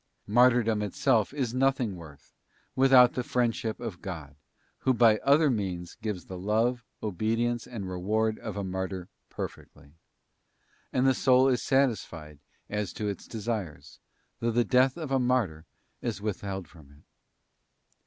Martyrdom itself is nothing worth without the friendship of God, Who by other means gives the love, obedience, and reward of a martyr perfectly ; and the soul is satisfied as to its desires, though the death of a martyr is withheld from it.